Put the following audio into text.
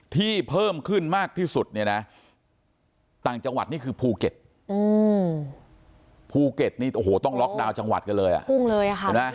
ที่เพิ่มขึ้นมากที่สุดต่างจังหวัดนี่คือภูเก็ตภูเก็ตนี่ต้องล็อกดาวน์จังหวัดกันเลย